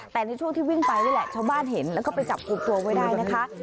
แต่ในช่วงที่วิ่งไปนี่แหละชาวบ้านเห็นแล้วก็ไปจับกลุ่มตัวไว้ได้นะคะ